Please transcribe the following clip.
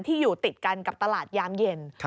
อยู่ติดกันกับตลาดยามเย็น